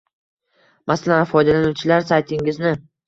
Masalan, foydalanuvchilar saytingizni